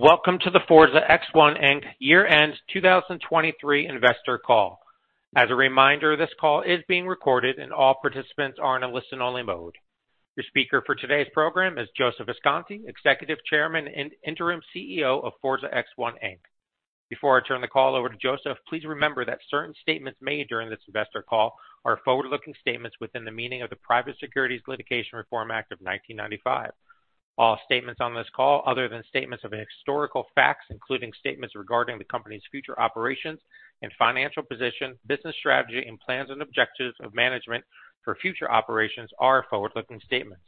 Welcome to the Forza X1, Inc. year-end 2023 investor call. As a reminder, this call is being recorded, and all participants are in a listen-only mode. Your speaker for today's program is Joseph Visconti, Executive Chairman and Interim CEO of Forza X1, Inc. Before I turn the call over to Joseph, please remember that certain statements made during this investor call are forward-looking statements within the meaning of the Private Securities Litigation Reform Act of 1995. All statements on this call, other than statements of historical facts, including statements regarding the company's future operations and financial position, business strategy, and plans and objectives of management for future operations, are forward-looking statements.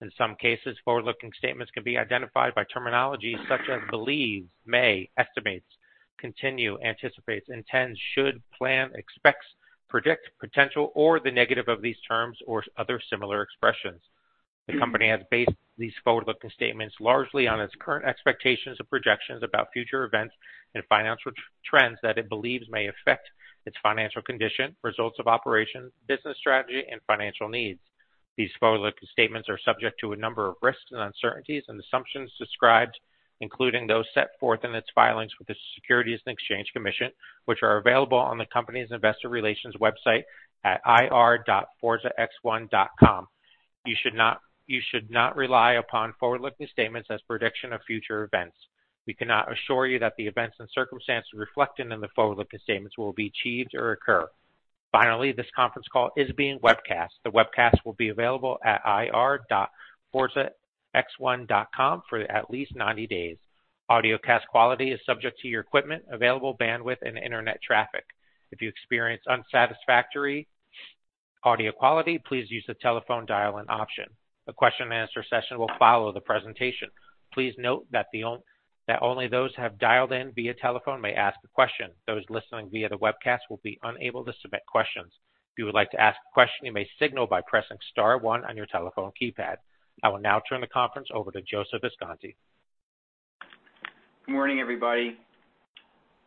In some cases, forward-looking statements can be identified by terminology such as believes, may, estimates, continue, anticipates, intends, should, plan, expects, predict, potential, or the negative of these terms or other similar expressions. The company has based these forward-looking statements largely on its current expectations of projections about future events and financial trends that it believes may affect its financial condition, results of operations, business strategy, and financial needs. These forward-looking statements are subject to a number of risks and uncertainties and assumptions described, including those set forth in its filings with the Securities and Exchange Commission, which are available on the company's investor relations website at ir.forzax1.com. You should not, you should not rely upon forward-looking statements as prediction of future events. We cannot assure you that the events and circumstances reflected in the forward-looking statements will be achieved or occur. Finally, this conference call is being webcast. The webcast will be available at ir.forzax1.com for at least 90 days. Audiocast quality is subject to your equipment, available bandwidth, and internet traffic. If you experience unsatisfactory audio quality, please use the telephone dial-in option. The question and answer session will follow the presentation. Please note that only those who have dialed in via telephone may ask a question. Those listening via the webcast will be unable to submit questions. If you would like to ask a question, you may signal by pressing star one on your telephone keypad. I will now turn the conference over to Joseph Visconti. Good morning, everybody.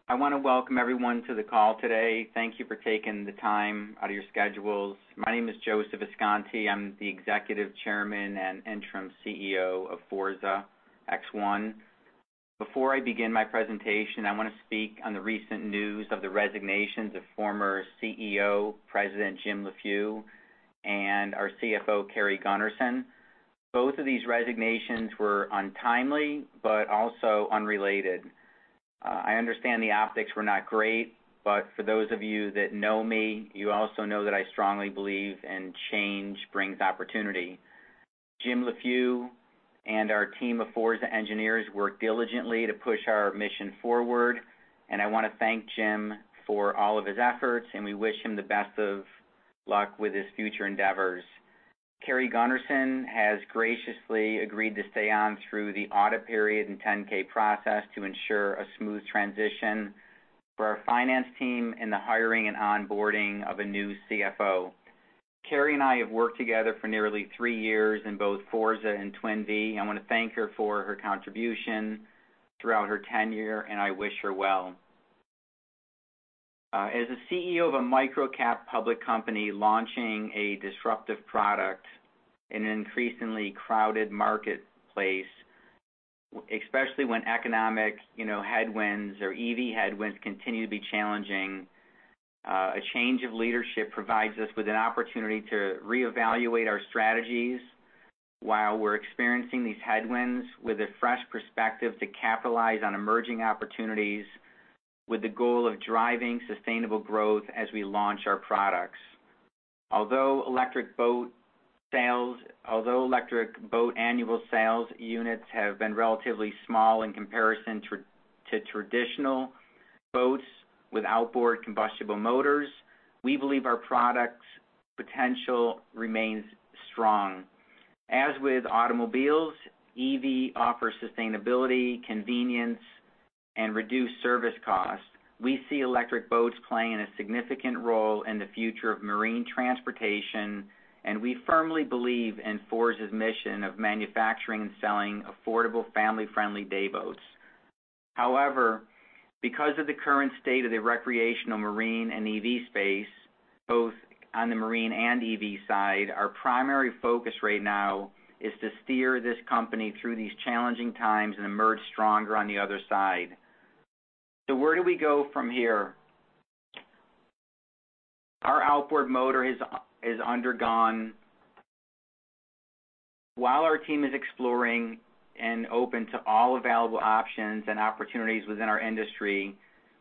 I want to welcome everyone to the call today. Thank you for taking the time out of your schedules. My name is Joseph Visconti. I'm the Executive Chairman and Interim CEO of Forza X1. Before I begin my presentation, I want to speak on the recent news of the resignations of former CEO and President Jim Leffew, and our CFO, Carrie Gunnerson. Both of these resignations were untimely, but also unrelated. I understand the optics were not great, but for those of you that know me, you also know that I strongly believe in change brings opportunity. Jim Leffew and our team of Forza engineers worked diligently to push our mission forward, and I want to thank Jim for all of his efforts, and we wish him the best of luck with his future endeavors. Carrie Gunnerson has graciously agreed to stay on through the audit period and 10-K process to ensure a smooth transition for our finance team in the hiring and onboarding of a new CFO. Carrie and I have worked together for nearly three years in both Forza and Twin Vee. I want to thank her for her contribution throughout her tenure, and I wish her well. As a CEO of a microcap public company launching a disruptive product in an increasingly crowded marketplace, especially when economic, you know, headwinds or EV headwinds continue to be challenging, a change of leadership provides us with an opportunity to reevaluate our strategies while we're experiencing these headwinds with a fresh perspective to capitalize on emerging opportunities, with the goal of driving sustainable growth as we launch our products. Although electric boat annual sales units have been relatively small in comparison to traditional boats with outboard combustible motors, we believe our product's potential remains strong. As with automobiles, EV offers sustainability, convenience, and reduced service costs. We see electric boats playing a significant role in the future of marine transportation, and we firmly believe in Forza's mission of manufacturing and selling affordable, family-friendly dayboats. However, because of the current state of the recreational marine and EV space, both on the marine and EV side, our primary focus right now is to steer this company through these challenging times and emerge stronger on the other side. So where do we go from here? Our outboard motor has undergone... While our team is exploring and open to all available options and opportunities within our industry,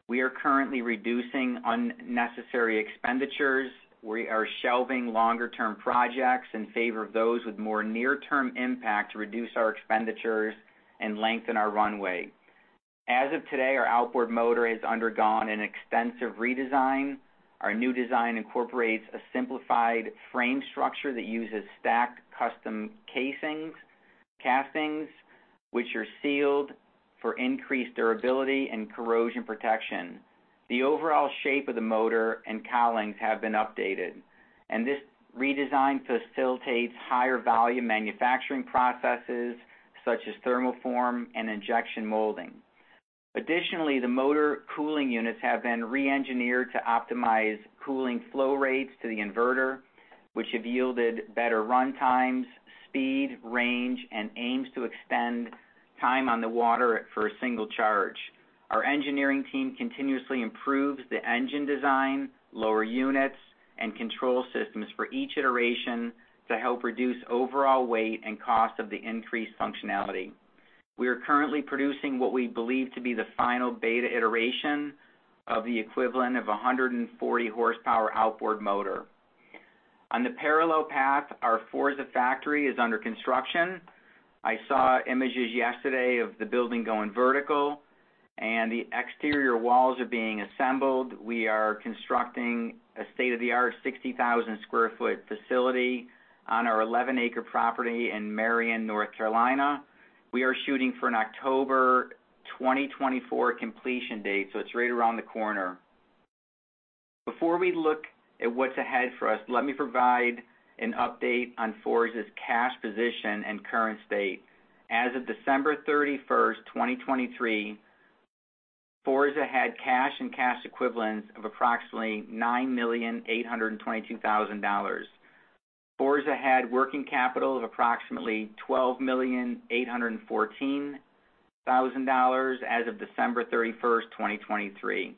we are currently reducing unnecessary expenditures. We are shelving longer-term projects in favor of those with more near-term impact to reduce our expenditures and lengthen our runway. As of today, our outboard motor has undergone an extensive redesign. Our new design incorporates a simplified frame structure that uses stacked custom castings, which are sealed for increased durability and corrosion protection. The overall shape of the motor and cowlings have been updated, and this redesign facilitates higher volume manufacturing processes such as thermoform and injection molding. Additionally, the motor cooling units have been re-engineered to optimize cooling flow rates to the inverter, which have yielded better run times, speed, range, and aims to extend time on the water for a single charge. Our engineering team continuously improves the engine design, lower units, and control systems for each iteration to help reduce overall weight and cost of the increased functionality. We are currently producing what we believe to be the final beta iteration of the equivalent of a 140 hp outboard motor. On the parallel path, our Forza factory is under construction. I saw images yesterday of the building going vertical, and the exterior walls are being assembled. We are constructing a state-of-the-art 60,000 sq ft facility on our 11-acre property in Marion, North Carolina. We are shooting for an October 2024 completion date, so it's right around the corner. Before we look at what's ahead for us, let me provide an update on Forza's cash position and current state. As of December 31, 2023, Forza had cash and cash equivalents of approximately $9,822,000. Forza had working capital of approximately $12,814,000 as of December 31, 2023.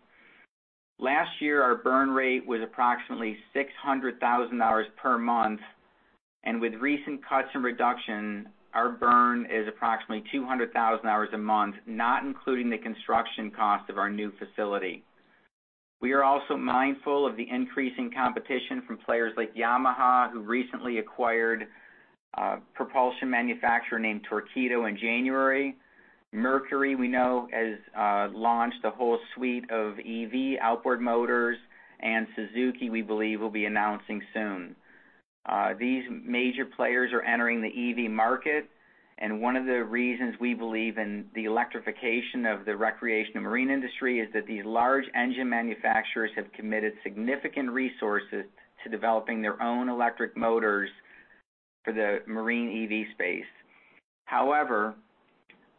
Last year, our burn rate was approximately $600,000 per month, and with recent cuts and reduction, our burn is approximately $200,000 a month, not including the construction cost of our new facility. We are also mindful of the increasing competition from players like Yamaha, who recently acquired propulsion manufacturer named Torqeedo in January. Mercury, we know, has launched a whole suite of EV outboard motors, and Suzuki, we believe, will be announcing soon. These major players are entering the EV market, and one of the reasons we believe in the electrification of the recreation and marine industry is that these large engine manufacturers have committed significant resources to developing their own electric motors for the marine EV space. However,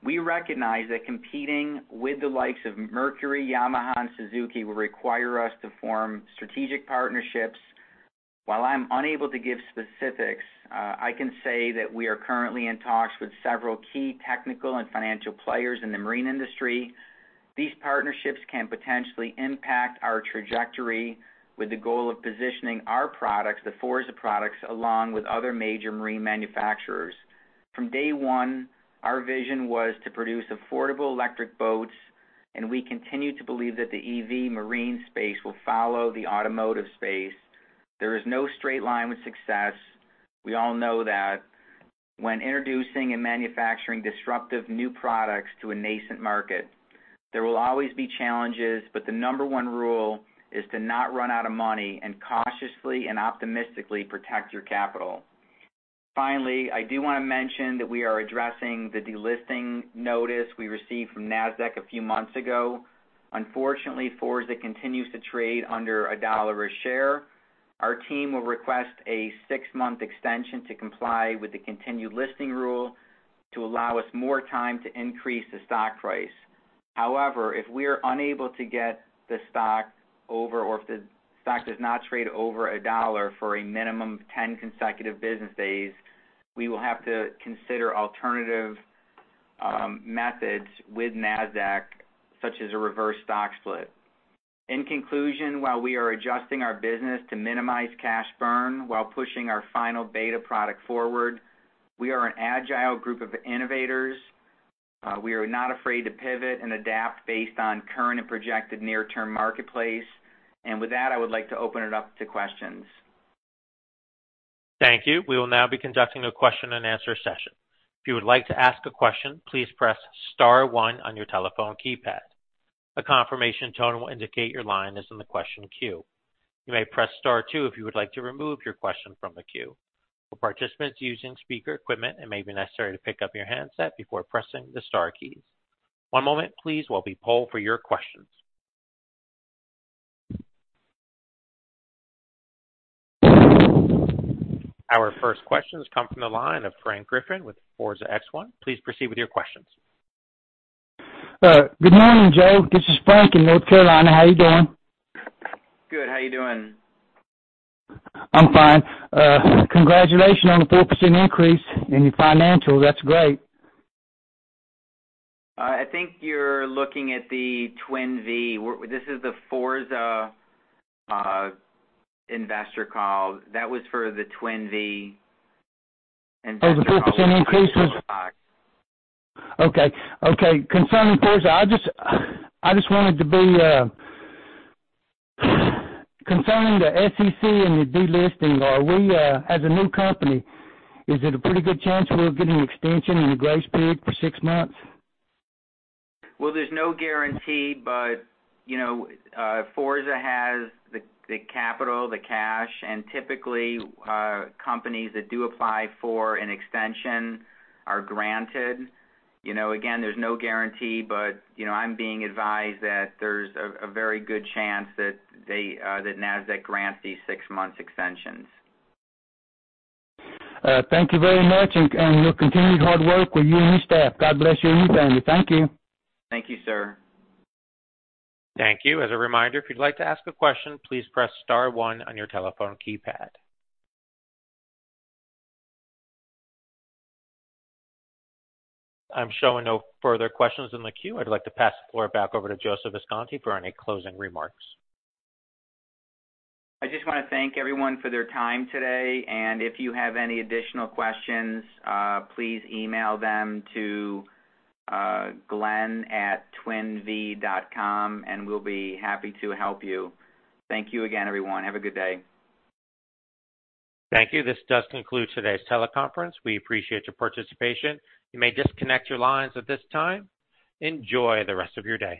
we recognize that competing with the likes of Mercury, Yamaha, and Suzuki will require us to form strategic partnerships. While I'm unable to give specifics, I can say that we are currently in talks with several key technical and financial players in the marine industry. These partnerships can potentially impact our trajectory with the goal of positioning our products, the Forza products, along with other major marine manufacturers. From day one, our vision was to produce affordable electric boats, and we continue to believe that the EV marine space will follow the automotive space. There is no straight line with success. We all know that when introducing and manufacturing disruptive new products to a nascent market, there will always be challenges, but the number one rule is to not run out of money and cautiously and optimistically protect your capital. Finally, I do want to mention that we are addressing the delisting notice we received from Nasdaq a few months ago. Unfortunately, Forza continues to trade under $1 a share. Our team will request a six-month extension to comply with the continued listing rule to allow us more time to increase the stock price. However, if we are unable to get the stock over, or if the stock does not trade over $1 for a minimum of 10 consecutive business days, we will have to consider alternative methods with Nasdaq, such as a reverse stock split. In conclusion, while we are adjusting our business to minimize cash burn while pushing our final beta product forward, we are an agile group of innovators. We are not afraid to pivot and adapt based on current and projected near-term marketplace. And with that, I would like to open it up to questions. Thank you. We will now be conducting a question-and-answer session. If you would like to ask a question, please press star one on your telephone keypad. A confirmation tone will indicate your line is in the question queue. You may press star two if you would like to remove your question from the queue. For participants using speaker equipment, it may be necessary to pick up your handset before pressing the star keys. One moment, please, while we poll for your questions. Our first questions come from the line of Frank Griffin with Forza X1. Please proceed with your questions. Good morning, Joe. This is Frank in North Carolina. How are you doing? Good. How are you doing? I'm fine. Congratulations on the 4% increase in your financial. That's great. I think you're looking at the Twin Vee. This is the Forza investor call. That was for the Twin Vee. There's a 4% increase? Okay. Okay, concerning Forza, I just, I just wanted to be, concerning the SEC and the delisting, are we, as a new company, is it a pretty good chance we'll get an extension and a grace period for six months? Well, there's no guarantee, but, you know, Forza has the capital, the cash, and typically, companies that do apply for an extension are granted. You know, again, there's no guarantee, but, you know, I'm being advised that there's a very good chance that they, that Nasdaq grants these six-month extensions. Thank you very much, and your continued hard work with you and your staff. God bless you and your family. Thank you. Thank you, sir. Thank you. As a reminder, if you'd like to ask a question, please press star one on your telephone keypad. I'm showing no further questions in the queue. I'd like to pass the floor back over to Joseph Visconti for any closing remarks. I just want to thank everyone for their time today, and if you have any additional questions, please email them to Glenn@twinvee.com, and we'll be happy to help you. Thank you again, everyone. Have a good day. Thank you. This does conclude today's teleconference. We appreciate your participation. You may disconnect your lines at this time. Enjoy the rest of your day.